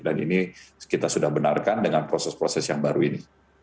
dan ini kita sudah benarkan dengan proses proses yang baru ini